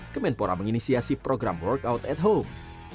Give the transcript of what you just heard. kemenpora menginisiasi program workout at home